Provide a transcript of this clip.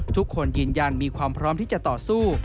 ทุกคนยืนยันมีความพร้อมที่จะต่อสู้